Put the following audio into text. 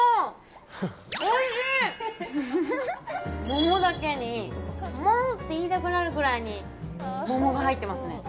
桃だけにもう！って言いたくなるくらいに桃が入っていますね。